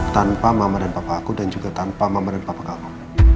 tanpa mama dan papaku dan juga tanpa mama dan papa kamu